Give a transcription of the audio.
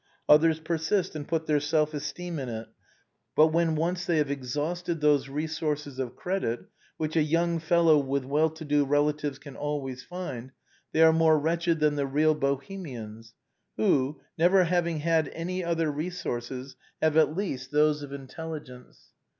Others persist and put their self esteem in it, but when once they have exhausted those resources of credit which a young fellow with well to do relatives can always find, they are more wretched than the real Bohemians, who, never having had any other resources, have at least those of intelligence.